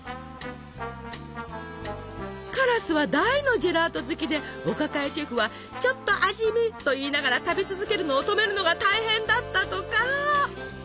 カラスは大のジェラート好きでお抱えシェフはちょっと味見といいながら食べ続けるのを止めるのが大変だったとか！